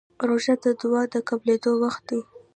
روژه د دعا قبولېدو وخت دی.